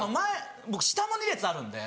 僕下も２列あるんで。